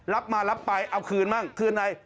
รับมารับไปเอาคืนบ้างคืนอะไร